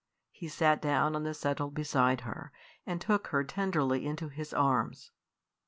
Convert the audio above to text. He sat down on the settle beside her, and took her tenderly into his arms.